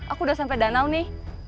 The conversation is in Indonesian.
aku udah sampai danau nih